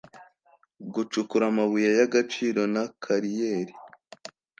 gucukura amabuye y agaciro na kariyeri